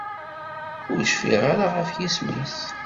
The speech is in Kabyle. Ur cfiɣ ara ɣef yisem-is.